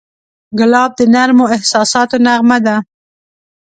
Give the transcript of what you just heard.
ګلاب د نرمو احساساتو نغمه ده.